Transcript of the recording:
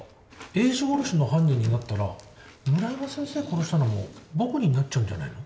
栄治殺しの犯人になったら村山先生殺したのも僕になっちゃうんじゃないの？